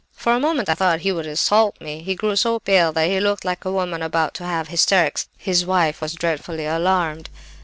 "For a moment I thought he would assault me; he grew so pale that he looked like a woman about to have hysterics; his wife was dreadfully alarmed.